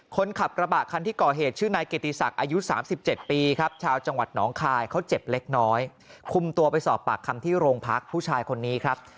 คนขับกระบะคันที่ก่อเหตุชื่อนายเกติศักดิ์อายุ๓๗ปีครับชาวจังหวัดหนองคายเขาเจ็บเล็กน้อยคุมตัวไปสอบปากคำที่โรงพักผู้ชายคนนี้ครับ